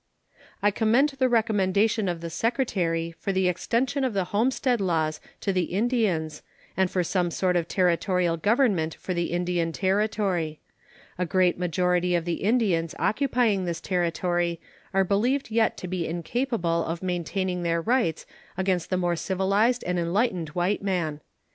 I commend the recommendation of the Secretary for the extension of the homestead laws to the Indians and for some sort of Territorial government for the Indian Territory. A great majority of the Indians occupying this Territory are believed yet to be incapable of maintaining their rights against the more civilized and enlightened white man.